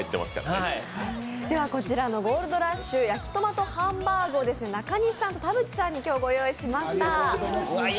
こちらのゴールドラッシュ焼きトマトハンバーグを中西さんと田渕さんに今日、ご用意しました。